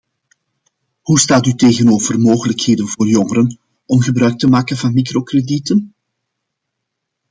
Hoe staat u tegenover mogelijkheden voor jongeren om gebruik te maken van microkredieten?